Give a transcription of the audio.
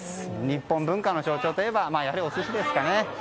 日本文化の象徴といえばやはり、お寿司ですかね。